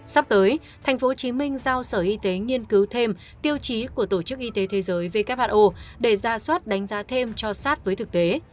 sắp tới tp hcm giao sở y tế nghiên cứu thêm tiêu chí của tổ chức y tế thế giới who để ra soát đánh giá thêm cho sát với thực tế